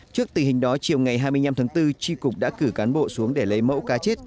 trước tình hình đó chiều ngày hai mươi năm tháng bốn tri cục đã cử cán bộ xuống để lấy mẫu cá chết